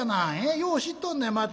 よう知っとんねんまた。